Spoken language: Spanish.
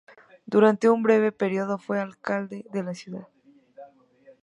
Durante un breve periodo fue alcalde de la ciudad.